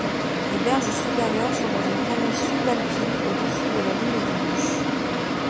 Les berges supérieures sont dans une prairie subalpine au-dessus de la ligne du bush.